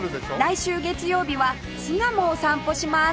来週月曜日は巣鴨を散歩します